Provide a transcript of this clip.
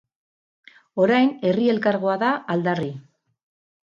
Orain Herri Elkargoa da aldarri.